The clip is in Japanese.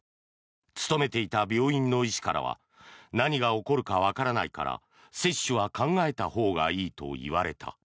勤めていた病院の医師からは何が起こるかわからないから接種は考えたほうがいいと言われた。